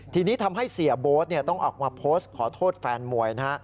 ทีนี้ทำให้เสียโบ๊ทต้องออกมาโพสต์ขอโทษแฟนมวยนะฮะ